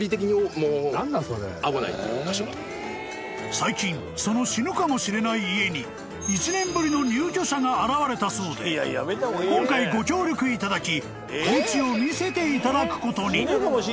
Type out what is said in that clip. ［最近その死ぬかもしれない家に１年ぶりの入居者が現れたそうで今回ご協力いただき］